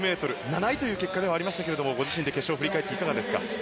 ７位という結果でしたがご自身で決勝を振り返っていかがですか？